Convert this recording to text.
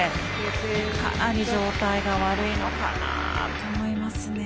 かなり状態が悪いのかなと思いますね。